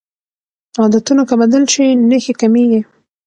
عادتونه که بدل شي نښې کمېږي.